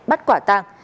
bắt quả tàng